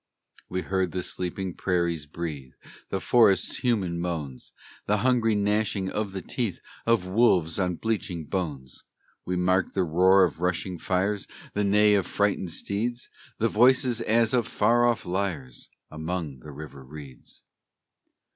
We heard the sleeping prairies breathe, The forest's human moans, The hungry gnashing of the teeth Of wolves on bleaching bones; We marked the roar of rushing fires, The neigh of frightened steeds, The voices as of far off lyres Among the river reeds.